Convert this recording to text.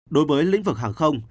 đối với lĩnh vực hàng không